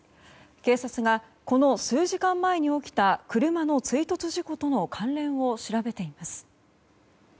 警察がこの数時間前に起きた車の追突事故との関連を調べています。